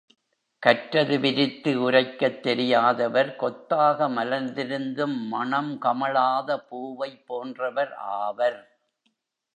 கற்றது விரித்து உரைக்கத் தெரியாதவர் கொத்தாக மலர்ந்திருந்தும் மணம் கமழாத பூவைப் போன்றவர் ஆவர்.